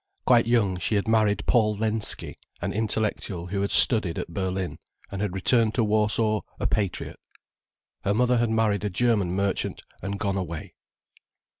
Quite young, she had married Paul Lensky, an intellectual who had studied at Berlin, and had returned to Warsaw a patriot. Her mother had married a German merchant and gone away.